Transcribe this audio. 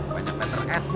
banyak peternkes bu